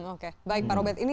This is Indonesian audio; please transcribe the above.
oke baik pak robert